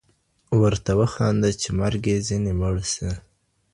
ورته وخانده چي مرګ يـې ځــيـني مړ سي